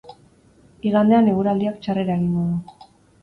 Igandean eguraldiak txarrera egingo du.